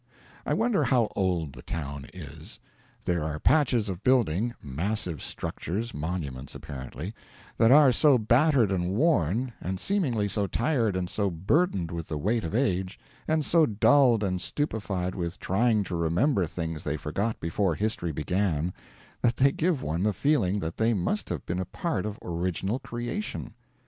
I wonder how old the town is. There are patches of building massive structures, monuments, apparently that are so battered and worn, and seemingly so tired and so burdened with the weight of age, and so dulled and stupefied with trying to remember things they forgot before history began, that they give one the feeling that they must have been a part of original Creation.